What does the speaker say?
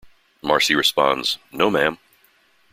Marcie responds, "No, ma'am".